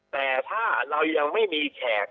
แต่ถ้าเรายังไม่มีแขก